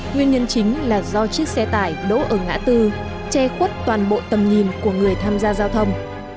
nguyên nhân chính là do chiếc xe tải đỗ ở ngã tư che khuất toàn bộ tầm nhìn của người tham gia giao thông